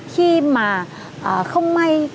khi mà không may